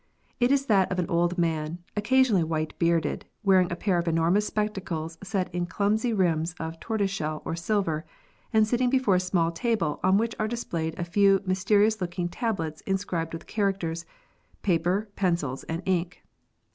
It is that of an old man, occasionally white bearded, wearing a pair of enormous spectacles set in clumsy rims of tortoiseshell or silver, and sitting before a small table on which are displayed a few mysterious looking tablets inscribed with characters, paper, pencils, and ink.